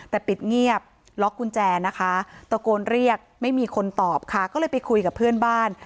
แต่ปิดเงียบล็อกกุญแจนะคะตะโกนเรียกไม่มีคนตอบค่ะก็เลยไปคุยกับเพื่อนบ้าน